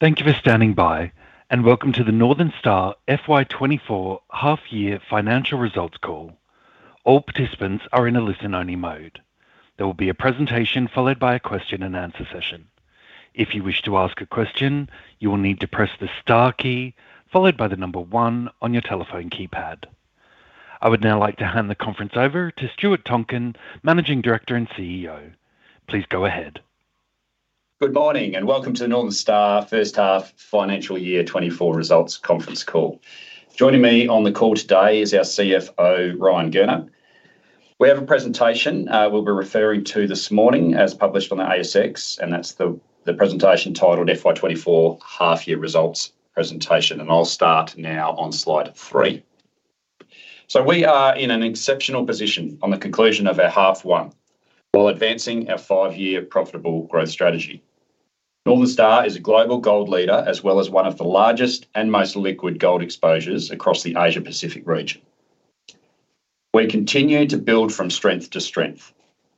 Thank you for standing by, and welcome to the Northern Star FY24 half-year financial results call. All participants are in a listen-only mode. There will be a presentation followed by a question-and-answer session. If you wish to ask a question, you will need to press the STAR key followed by the number 1 on your telephone keypad. I would now like to hand the conference over to Stuart Tonkin, Managing Director and CEO. Please go ahead. Good morning and welcome to the Northern Star First Half Financial Year 2024 Results conference call. Joining me on the call today is our CFO, Ryan Gurner. We have a presentation we'll be referring to this morning as published on the ASX, and that's the presentation titled FY24 Half-Year Results Presentation. I'll start now on slide 3. We are in an exceptional position on the conclusion of our half one while advancing our five-year profitable growth strategy. Northern Star is a global gold leader as well as one of the largest and most liquid gold exposures across the Asia-Pacific region. We continue to build from strength to strength.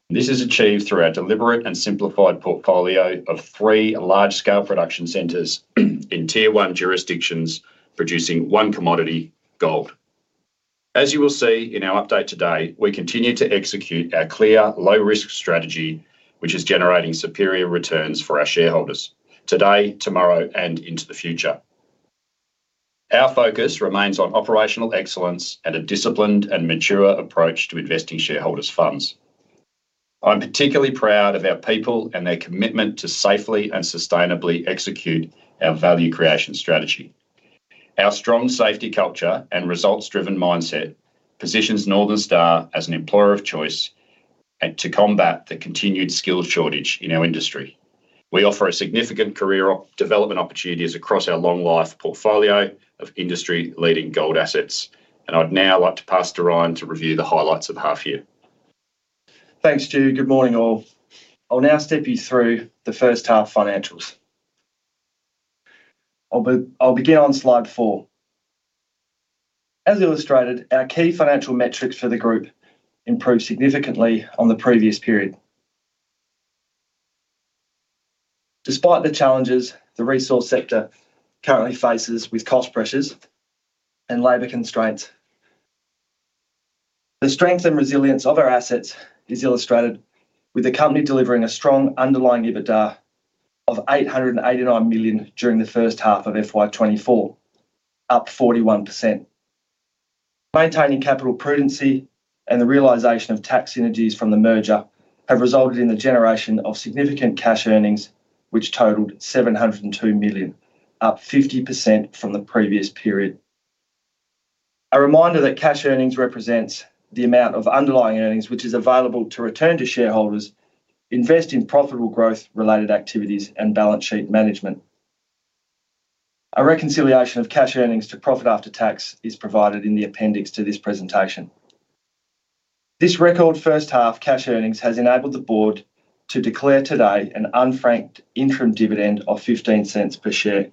This is achieved through our deliberate and simplified portfolio of three large-scale production centres in Tier 1 jurisdictions producing one commodity, gold. As you will see in our update today, we continue to execute our clear low-risk strategy which is generating superior returns for our shareholders today, tomorrow, and into the future. Our focus remains on operational excellence and a disciplined and mature approach to investing shareholders' funds. I'm particularly proud of our people and their commitment to safely and sustainably execute our value creation strategy. Our strong safety culture and results-driven mindset positions Northern Star as an employer of choice to combat the continued skill shortage in our industry. We offer significant career development opportunities across our long-life portfolio of industry-leading gold assets. I'd now like to pass to Ryan to review the highlights of the half year. Thanks, Stu. Good morning all. I'll now step you through the first half financials. I'll begin on slide 4. As illustrated, our key financial metrics for the group improved significantly on the previous period. Despite the challenges the resource sector currently faces with cost pressures and labor constraints, the strength and resilience of our assets is illustrated with the company delivering a strong underlying EBITDA of 889 million during the first half of FY2024, up 41%. Maintaining capital prudency and the realization of tax synergies from the merger have resulted in the generation of significant cash earnings which totaled 702 million, up 50% from the previous period. A reminder that cash earnings represents the amount of underlying earnings which is available to return to shareholders, invest in profitable growth-related activities and balance sheet management. A reconciliation of cash earnings to profit after tax is provided in the appendix to this presentation. This record first half cash earnings has enabled the board to declare today an unfranked interim dividend of 0.15 per share.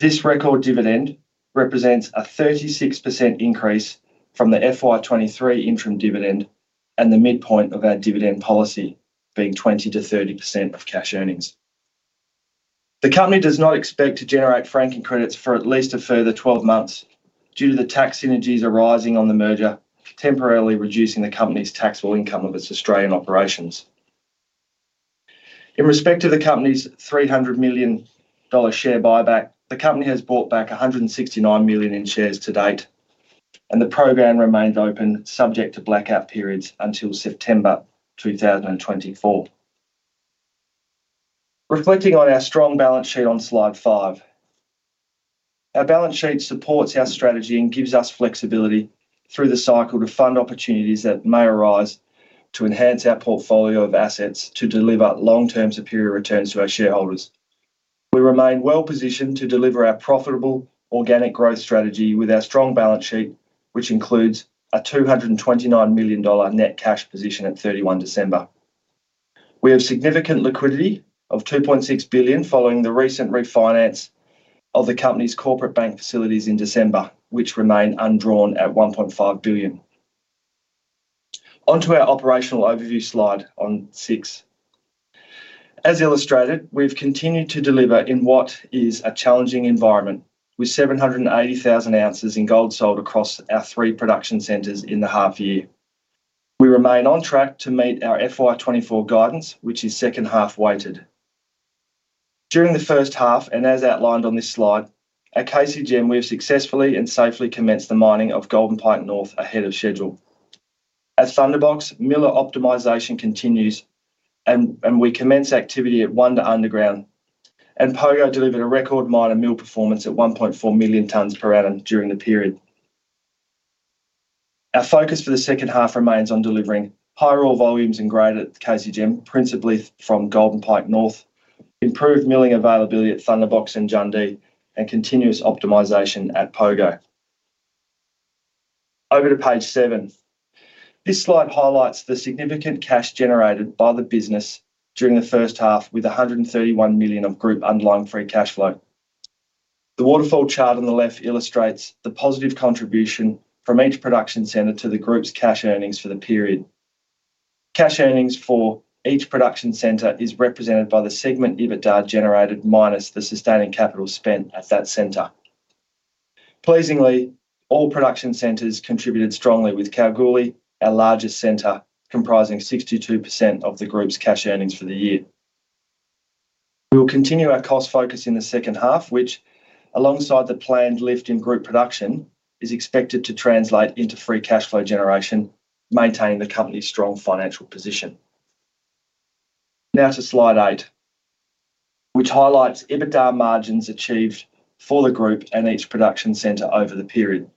This record dividend represents a 36% increase from the FY23 interim dividend and the midpoint of our dividend policy being 20%-30% of cash earnings. The company does not expect to generate franking credits for at least a further 12 months due to the tax synergies arising on the merger temporarily reducing the company's taxable income of its Australian operations. In respect to the company's 300 million dollar share buyback, the company has bought back 169 million in shares to date, and the program remains open subject to blackout periods until September 2024. Reflecting on our strong balance sheet on slide 5, our balance sheet supports our strategy and gives us flexibility through the cycle to fund opportunities that may arise to enhance our portfolio of assets to deliver long-term superior returns to our shareholders. We remain well-positioned to deliver our profitable organic growth strategy with our strong balance sheet which includes a 229 million dollar net cash position at 31 December. We have significant liquidity of 2.6 billion following the recent refinance of the company's corporate bank facilities in December which remain undrawn at 1.5 billion. Onto our operational overview slide on 6. As illustrated, we've continued to deliver in what is a challenging environment with 780,000 ounces in gold sold across our three production centres in the half year. We remain on track to meet our FY24 guidance which is second half weighted. During the first half, and as outlined on this slide, at KCGM we have successfully and safely commenced the mining of Golden Pike North ahead of schedule. At Thunderbox, mill optimization continues, and we commence activity at 1.0 Mtpa underground, and Pogo delivered a record mill performance at 1.4 million tonnes per annum during the period. Our focus for the second half remains on delivering higher ore volumes and grade at KCGM, principally from Golden Pike North, improved milling availability at Thunderbox and Jundee, and continuous optimization at Pogo. Over to page 7. This slide highlights the significant cash generated by the business during the first half with 131 million of group underlying free cash flow. The waterfall chart on the left illustrates the positive contribution from each production center to the group's cash earnings for the period. Cash earnings for each production center is represented by the segment EBITDA generated minus the sustaining capital spent at that center. Pleasingly, all production centers contributed strongly with KCGM, our largest center comprising 62% of the group's cash earnings for the year. We will continue our cost focus in the second half which, alongside the planned lift in group production, is expected to translate into free cash flow generation maintaining the company's strong financial position. Now to slide 8 which highlights EBITDA margins achieved for the group and each production center over the period.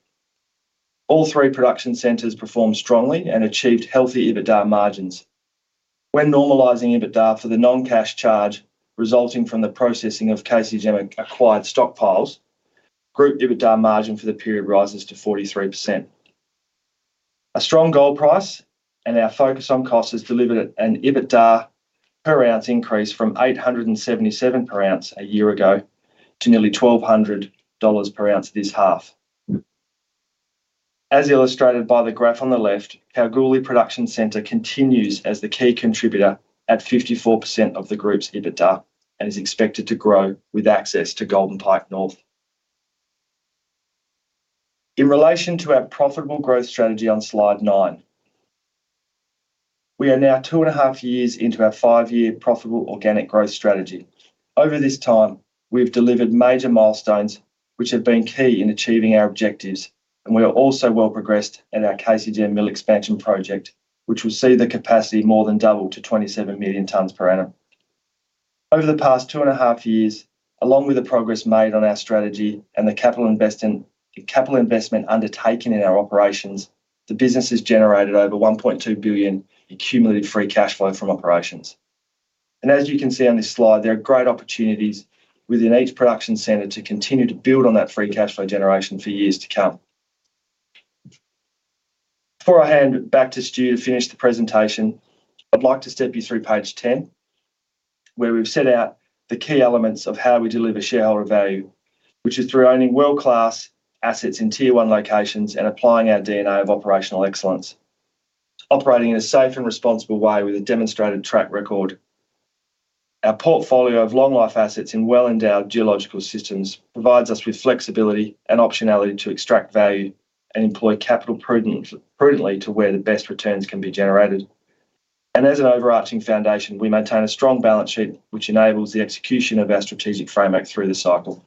All three production centers performed strongly and achieved healthy EBITDA margins. When normalizing EBITDA for the non-cash charge resulting from the processing of KCGM acquired stockpiles, group EBITDA margin for the period rises to 43%. A strong gold price and our focus on costs has delivered an EBITDA per ounce increase from 877 per ounce a year ago to nearly AUD $1,200 per ounce this half. As illustrated by the graph on the left, KCGM production centre continues as the key contributor at 54% of the group's EBITDA and is expected to grow with access to Golden Pike North. In relation to our profitable growth strategy on slide 9, we are now two and a half years into our five-year profitable organic growth strategy. Over this time, we've delivered major milestones which have been key in achieving our objectives, and we are also well-progressed at our KCGM mill expansion project which will see the capacity more than double to 27 million tonnes per annum. Over the past 2.5 years, along with the progress made on our strategy and the capital investment undertaken in our operations, the business has generated over 1.2 billion accumulated free cash flow from operations. As you can see on this slide, there are great opportunities within each production center to continue to build on that free cash flow generation for years to come. Before I hand back to Stu to finish the presentation, I'd like to step you through page 10 where we've set out the key elements of how we deliver shareholder value which is through owning world-class assets in Tier 1 locations and applying our DNA of operational excellence. Operating in a safe and responsible way with a demonstrated track record. Our portfolio of long-life assets in well-endowed geological systems provides us with flexibility and optionality to extract value and employ capital prudently to where the best returns can be generated. And as an overarching foundation, we maintain a strong balance sheet which enables the execution of our strategic framework through the cycle.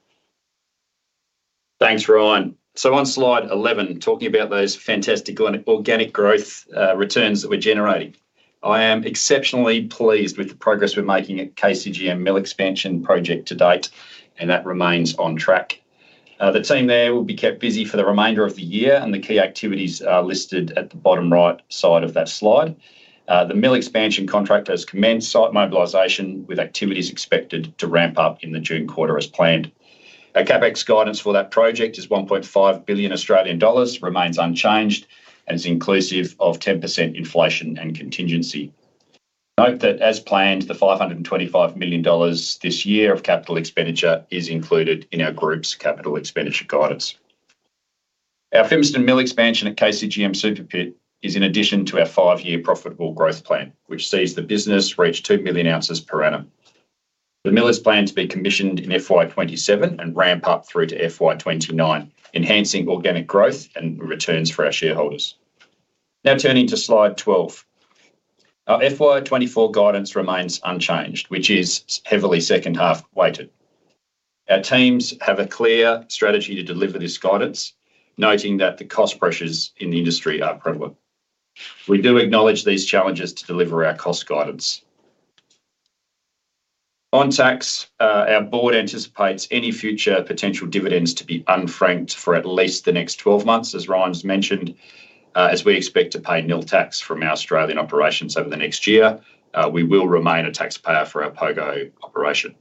Thanks, Ryan. On slide 11, talking about those fantastic organic growth returns that we're generating, I am exceptionally pleased with the progress we're making at KCGM mill expansion project to date, and that remains on track. The team there will be kept busy for the remainder of the year, and the key activities are listed at the bottom right side of that slide. The mill expansion contract has commenced site mobilization with activities expected to ramp up in the June quarter as planned. Our CAPEX guidance for that project is 1.5 billion Australian dollars, remains unchanged, and is inclusive of 10% inflation and contingency. Note that as planned, the 525 million dollars this year of capital expenditure is included in our group's capital expenditure guidance. Our Fimiston mill expansion at KCGM Super Pit is in addition to our five-year profitable growth plan which sees the business reach 2 million ounces per annum. The mill is planned to be commissioned in FY 2027 and ramp up through to FY 2029, enhancing organic growth and returns for our shareholders. Now turning to slide 12. Our FY 2024 guidance remains unchanged which is heavily second-half weighted. Our teams have a clear strategy to deliver this guidance, noting that the cost pressures in the industry are prevalent. We do acknowledge these challenges to deliver our cost guidance. On tax, our board anticipates any future potential dividends to be unfranked for at least the next 12 months. As Ryan's mentioned, as we expect to pay nil tax from Australian operations over the next year, we will remain a taxpayer for our Pogo operation.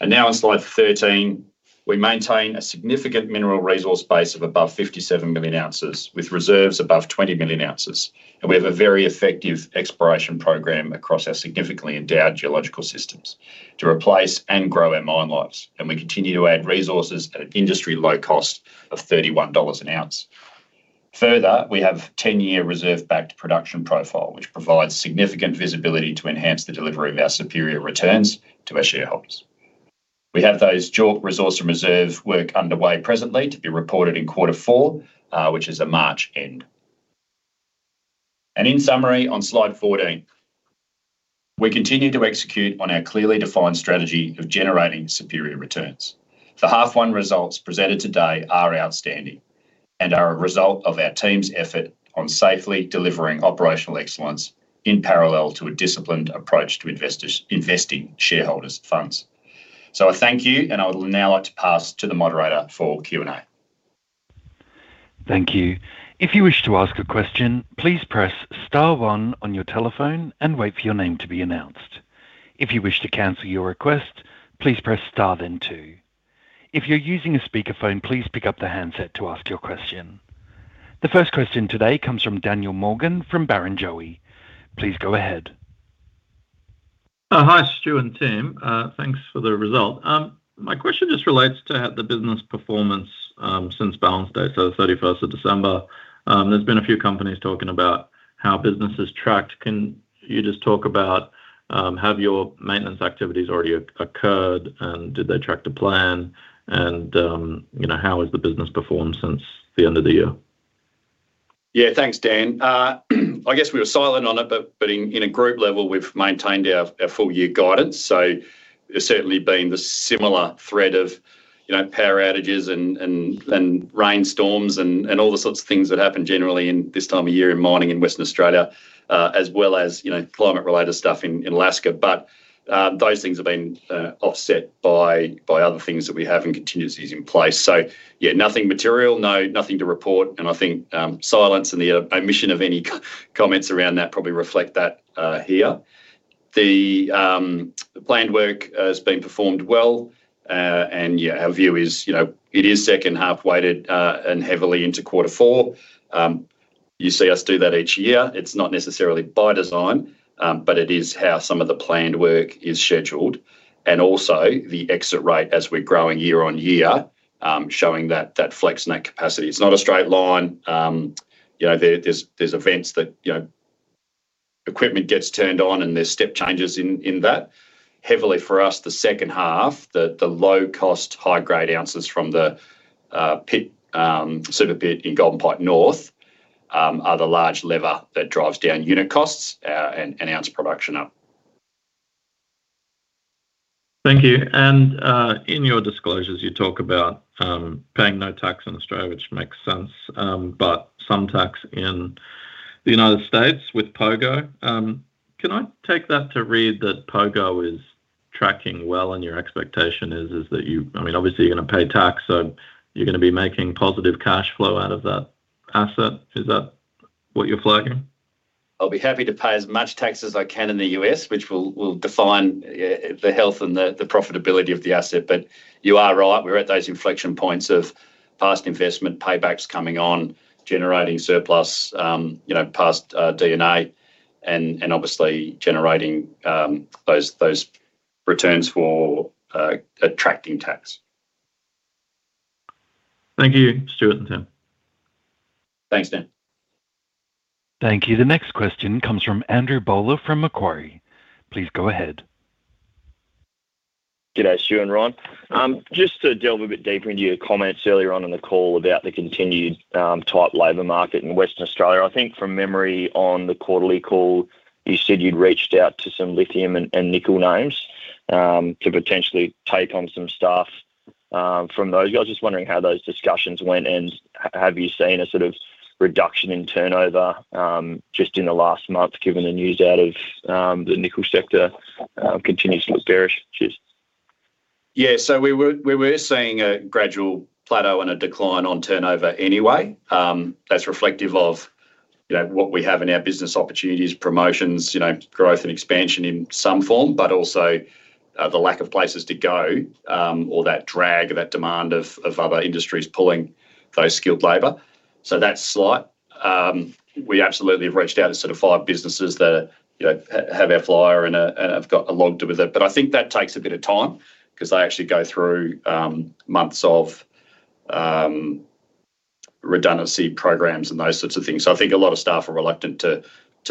Now on slide 13, we maintain a significant mineral resource base of above 57 million ounces with reserves above 20 million ounces, and we have a very effective exploration program across our significantly endowed geological systems to replace and grow our mine lives. We continue to add resources at an industry low cost of 31 dollars an ounce. Further, we have a 10-year reserve-backed production profile which provides significant visibility to enhance the delivery of our superior returns to our shareholders. We have those resource and reserve work underway presently to be reported in quarter four, which is a March end. In summary, on slide 14, we continue to execute on our clearly defined strategy of generating superior returns. The half one results presented today are outstanding and are a result of our team's effort on safely delivering operational excellence in parallel to a disciplined approach to investing shareholders' funds. So I thank you, and I would now like to pass to the moderator for Q&A. Thank you. If you wish to ask a question, please press star one on your telephone and wait for your name to be announced. If you wish to cancel your request, please press star then two. If you're using a speakerphone, please pick up the handset to ask your question. The first question today comes from Daniel Morgan from Barrenjoey. Please go ahead. Hi Stu and team. Thanks for the result. My question just relates to the business performance since balance day, so the 31st of December. There's been a few companies talking about how business is tracked. Can you just talk about have your maintenance activities already occurred, and did they track to plan, and how has the business performed since the end of the year? Yeah, thanks Dan. I guess we were silent on it, but in a group level, we've maintained our full year guidance. So there's certainly been the similar threat of power outages and rainstorms and all the sorts of things that happen generally in this time of year in mining in Western Australia, as well as climate-related stuff in Alaska. But those things have been offset by other things that we have and continuities in place. So yeah, nothing material, nothing to report, and I think silence and the omission of any comments around that probably reflect that here. The planned work has been performed well, and yeah, our view is it is second half weighted and heavily into quarter four. You see us do that each year. It's not necessarily by design, but it is how some of the planned work is scheduled. And also the exit rate as we're growing year-over-year, showing that flex net capacity. It's not a straight line. There's events that equipment gets turned on, and there's step changes in that. Heavily for us, the second half, the low-cost, high-grade ounces from the Super Pit in Golden Pike North are the large lever that drives down unit costs and ounce production up. Thank you. And in your disclosures, you talk about paying no tax in Australia, which makes sense, but some tax in the United States with Pogo. Can I take that to read that Pogo is tracking well, and your expectation is that you I mean, obviously, you're going to pay tax, so you're going to be making positive cash flow out of that asset. Is that what you're flagging? I'll be happy to pay as much tax as I can in the U.S., which will define the health and the profitability of the asset. But you are right. We're at those inflection points of past investment paybacks coming on, generating surplus, past D&A, and obviously generating those returns for attracting tax. Thank you, Stuart and team. Thanks, Dan. Thank you. The next question comes from Andrew Bolo from Macquarie. Please go ahead. G'day, Stu and Ryan. Just to delve a bit deeper into your comments earlier on in the call about the continued tight labor market in Western Australia. I think from memory on the quarterly call, you said you'd reached out to some lithium and nickel names to potentially take on some staff from those. I was just wondering how those discussions went, and have you seen a sort of reduction in turnover just in the last month given the news out of the nickel sector continues to look bearish? Cheers. Yeah. So we were seeing a gradual plateau and a decline on turnover anyway. That's reflective of what we have in our business opportunities, promotions, growth, and expansion in some form, but also the lack of places to go or that drag, that demand of other industries pulling those skilled labor. So that's slight. We absolutely have reached out to sort of five businesses that have our flyer and have got logged with it. But I think that takes a bit of time because they actually go through months of redundancy programs and those sorts of things. So I think a lot of staff are reluctant to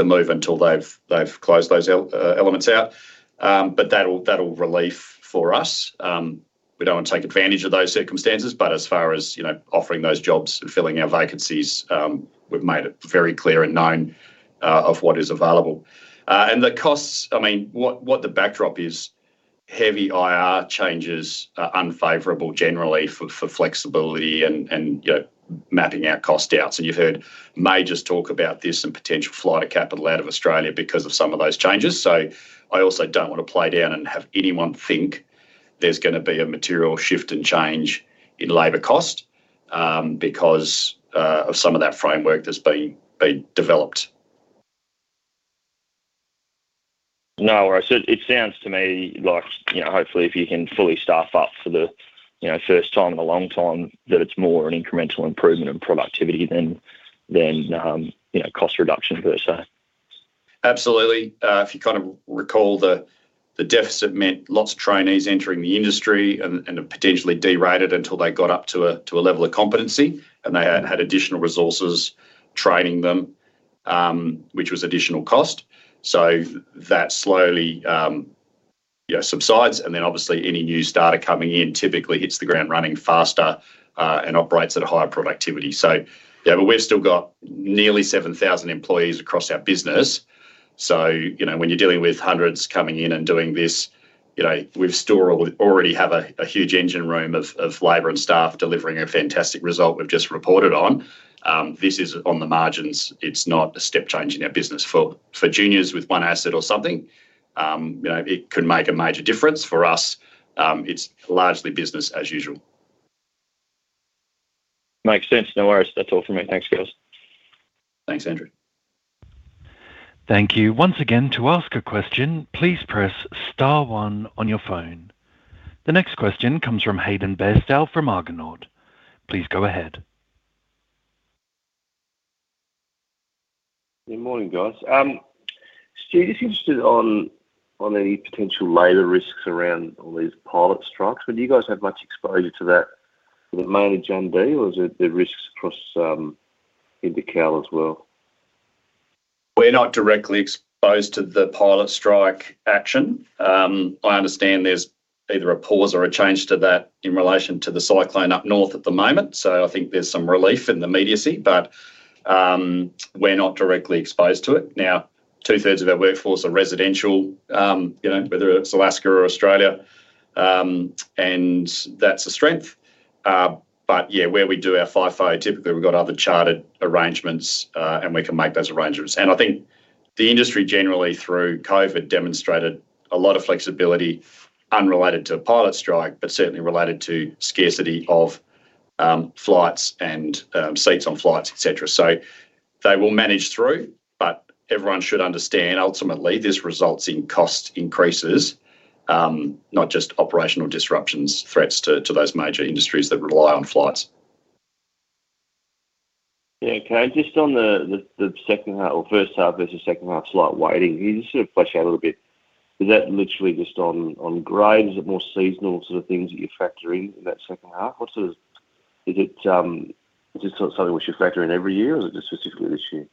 move until they've closed those elements out. But that'll relieve for us. We don't want to take advantage of those circumstances. But as far as offering those jobs and filling our vacancies, we've made it very clear and known of what is available. And the costs, I mean, what the backdrop is, heavy IR changes are unfavorable generally for flexibility and mapping out cost outs. And you've heard majors talk about this and potential flight of capital out of Australia because of some of those changes. So I also don't want to play down and have anyone think there's going to be a material shift and change in labor cost because of some of that framework that's been developed. No, it sounds to me like hopefully if you can fully staff up for the first time in a long time that it's more an incremental improvement in productivity than cost reduction per se. Absolutely. If you kind of recall, the deficit meant lots of trainees entering the industry and potentially derated until they got up to a level of competency and they had additional resources training them, which was additional cost. So that slowly subsides, and then obviously any new startup coming in typically hits the ground running faster and operates at a higher productivity. So yeah, but we've still got nearly 7,000 employees across our business. When you're dealing with hundreds coming in and doing this, we already have a huge engine room of labor and staff delivering a fantastic result we've just reported on. This is on the margins. It's not a step change in our business. For juniors with one asset or something, it could make a major difference. For us, it's largely business as usual. Makes sense. No worries. That's all from me. Thanks, guys. Thanks, Andrew. Thank you. Once again, to ask a question, please press star one on your phone. The next question comes from Hayden Bairstow from Argonaut. Please go ahead. Good morning, guys. Stu, just interested on any potential labor risks around all these pilot strikes. Do you guys have much exposure to that mainly Jundee, or is it the risks across Intercal as well? We're not directly exposed to the pilot strike action. I understand there's either a pause or a change to that in relation to the cyclone up north at the moment. So I think there's some relief in the immediacy, but we're not directly exposed to it. Now, two-thirds of our workforce are residential, whether it's Alaska or Australia, and that's a strength. But yeah, where we do our FIFO, typically we've got other chartered arrangements, and we can make those arrangements. And I think the industry generally through COVID demonstrated a lot of flexibility unrelated to a pilot strike, but certainly related to scarcity of flights and seats on flights, etc. So they will manage through, but everyone should understand ultimately this results in cost increases, not just operational disruptions, threats to those major industries that rely on flights. Yeah, can I just on the second half or first half versus second half slight weighting, can you just sort of flesh out a little bit? Is that literally just on grade? Is it more seasonal sort of things that you factor in in that second half? Is it just something which you factor in every year, or is it just specifically this year?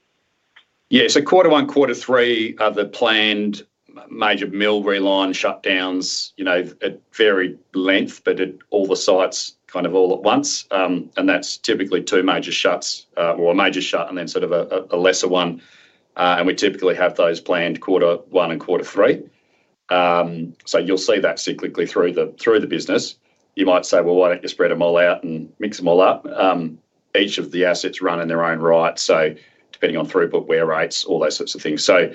Yeah, so quarter one, quarter three are the planned major mill reline shutdowns at varied length, but at all the sites kind of all at once. And that's typically two major shuts or a major shut and then sort of a lesser one. And we typically have those planned quarter one and quarter three. So you'll see that cyclically through the business. You might say, "Well, why don't you spread them all out and mix them all up?" Each of the assets run in their own right, so depending on throughput, wear rates, all those sorts of things. So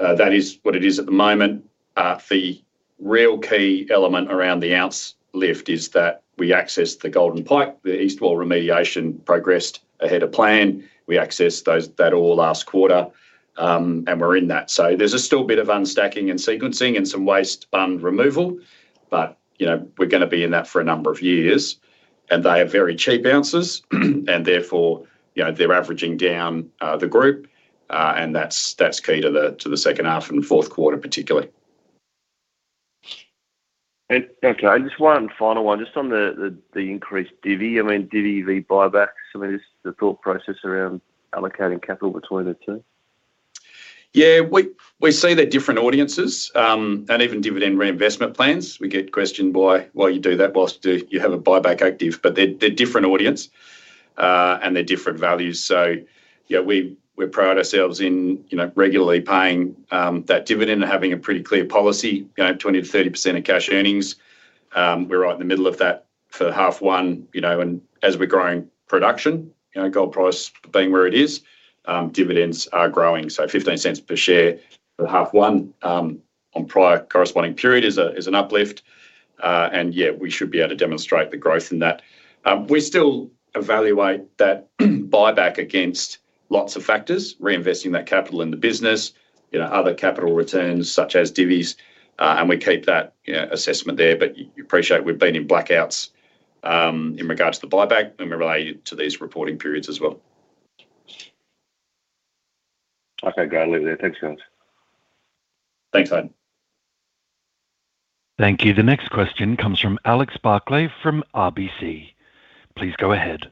that is what it is at the moment. The real key element around the ounce lift is that we access the Golden Pike. The East Wall remediation progressed ahead of plan. We accessed that all last quarter, and we're in that. So there's still a bit of unstacking and sequencing and some waste bund removal, but we're going to be in that for a number of years. And they have very cheap ounces, and therefore they're averaging down the group, and that's key to the second half and fourth quarter particularly. Okay, just one final one, just on the increased divvy. I mean, divvy v buyback, is the thought process around allocating capital between the two? Yeah, we see they're different audiences. And even dividend reinvestment plans, we get questioned why you do that while you have a buyback active. But they're different audience, and they're different values. So we pride ourselves in regularly paying that dividend and having a pretty clear policy, 20%-30% of cash earnings. We're right in the middle of that for half one. And as we're growing production, gold price being where it is, dividends are growing. So 0.15 per share for half one on prior corresponding period is an uplift. And yeah, we should be able to demonstrate the growth in that. We still evaluate that buyback against lots of factors, reinvesting that capital in the business, other capital returns such as divvys. And we keep that assessment there. But you appreciate we've been in blackouts in regards to the buyback, and we relate it to these reporting periods as well. Okay, go ahead and leave it there. Thanks, guys. Thanks, Hayden. Thank you. The next question comes from Alex Barkley from RBC. Please go ahead.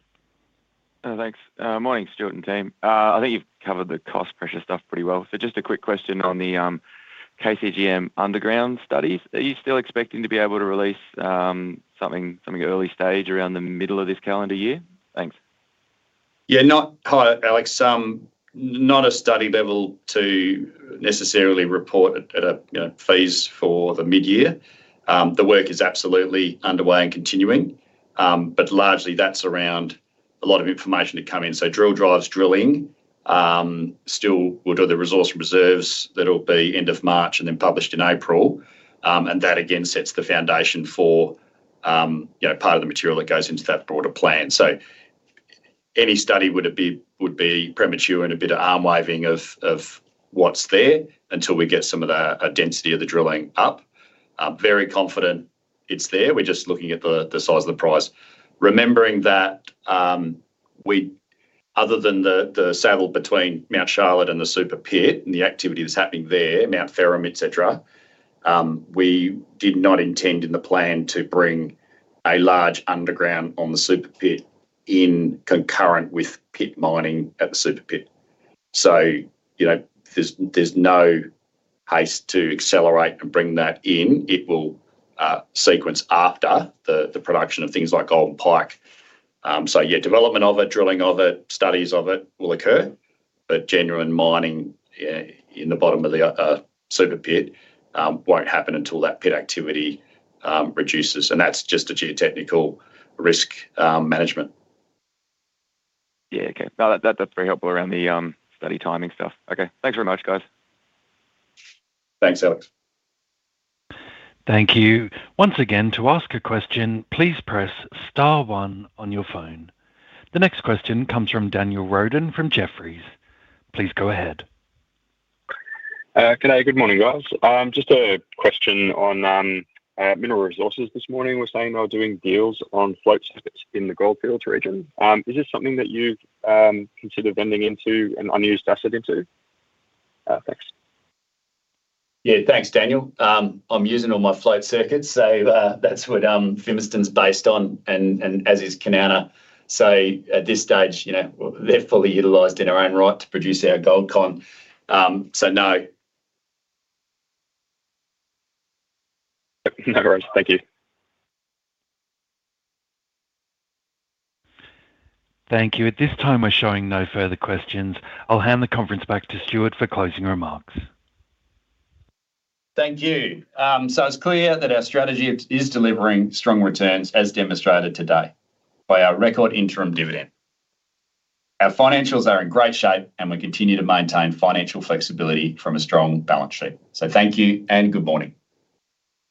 Thanks. Morning, Stuart and Tim. I think you've covered the cost pressure stuff pretty well. So just a quick question on the KCGM underground studies. Are you still expecting to be able to release something early stage around the middle of this calendar year? Thanks. Yeah, Alex, not a study level to necessarily report at a phase for the mid-year. The work is absolutely underway and continuing, but largely that's around a lot of information to come in. So drill results, drilling. Still, we'll do the resources and reserves. That'll be end of March and then published in April. And that again sets the foundation for part of the material that goes into that broader plan. So any study would be premature and a bit of arm-waving of what's there until we get some of the density of the drilling up. Very confident it's there. We're just looking at the size of the prize. Remembering that other than the saddle between Mount Charlotte and the Super Pit and the activity that's happening there, Mount Ferrum, etc., we did not intend in the plan to bring a large underground on the Super Pit in concurrent with pit mining at the Super Pit. There's no haste to accelerate and bring that in. It will sequence after the production of things like Golden Pike. Yeah, development of it, drilling of it, studies of it will occur. But genuine mining in the bottom of the Super Pit won't happen until that pit activity reduces. That's just a geotechnical risk management. Yeah, okay. No, that's very helpful around the study timing stuff. Okay, thanks very much, guys. Thanks, Alex. Thank you. Once again, to ask a question, please press star one on your phone. The next question comes from Daniel Roden from Jefferies. Please go ahead. G'day, good morning, guys. Just a question on Mineral Resources this morning. We're saying they're doing deals on float circuits in the Goldfields region. Is this something that you consider vending into an unused asset? Thanks. Yeah, thanks, Daniel. I'm using all my float circuits, so that's what Fimiston’s based on, and as is KCGM. So at this stage, they're fully utilized in their own right to produce our Goldcon. So no. No worries. Thank you. Thank you. At this time, we're showing no further questions. I'll hand the conference back to Stuart for closing remarks. Thank you. It's clear that our strategy is delivering strong returns as demonstrated today by our record interim dividend. Our financials are in great shape, and we continue to maintain financial flexibility from a strong balance sheet. Thank you and good morning.